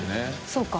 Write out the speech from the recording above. そうか。